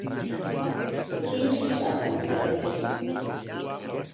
Què hi has posat, a les galetes?